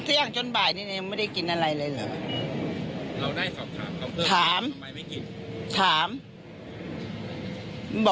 เที่ยงจนบ่ายนิดหนึ่งไม่ได้กินอะไรเลยเหรอเราได้สอบถามถามทำไมไม่